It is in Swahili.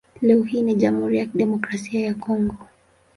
Leo hii ni Jamhuri ya Kidemokrasia ya Kongo.